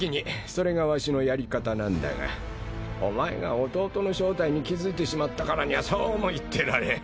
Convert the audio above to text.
それがわしのやり方なんだがお前が弟の正体に気付いてしまったからにはそうも言ってられん。